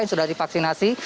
yang sudah divaksinasi